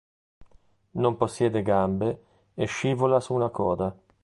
Non possiede gambe e scivola su una coda.